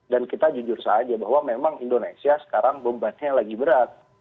dan kita jujur saja bahwa memang indonesia sekarang bombanya lagi berat